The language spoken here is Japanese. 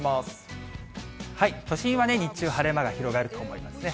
都心は日中、晴れ間が広がると思いますね。